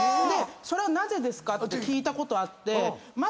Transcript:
それはなぜですか？って聞いたことあって。